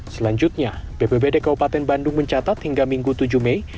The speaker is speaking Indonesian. selanjutnya bpbd kabupaten bandung mencatat hingga minggu tujuh mei